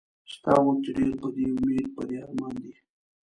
ستا غوندې ډېر پۀ دې اميد پۀ دې ارمان دي